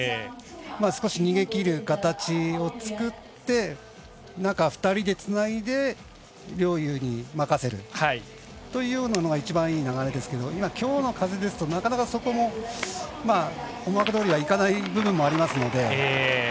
少し逃げきる形を作って中２人でつないで陵侑に任せるというようなのが一番いい流れですけどきょうの風ですとなかなかそこも思惑どおりはいかない部分もありますので。